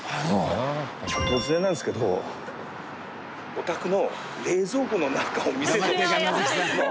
突然なんですけどお宅の冷蔵庫の中を見せてほしいんですけど。